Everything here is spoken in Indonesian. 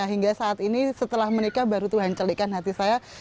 hingga saat ini setelah menikah baru tuhan celikan hati saya